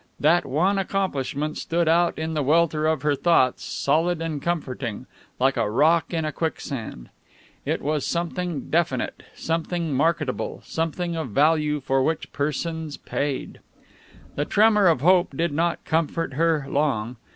That one accomplishment stood out in the welter of her thoughts, solid and comforting, like a rock in a quicksand. It was something definite, something marketable, something of value for which persons paid. The tremor of hope did not comfort her long.